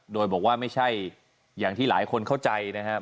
โดยบอกว่าไม่ใช่อย่างที่หลายคนเข้าใจนะครับ